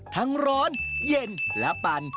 ทั้งร้อนเย็นและปั่น